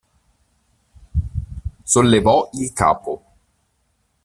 Sollevò il capo.